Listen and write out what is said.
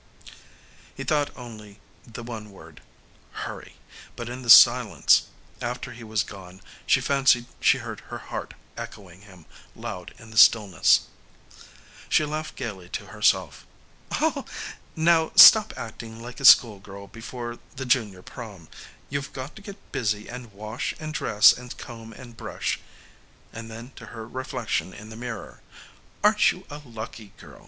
He thought only the one word, "Hurry," but in the silence after he was gone she fancied she heard her heart echoing him, loud in the stillness. She laughed gaily to herself. "Now stop acting like a schoolgirl before the Junior Prom. You've got to get busy and wash and dress and comb and brush." And then to her reflection in the mirror: "Aren't you a lucky girl?